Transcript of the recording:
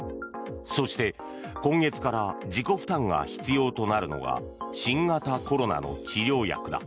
そして、今月から自己負担が必要となるのが新型コロナの治療薬だ。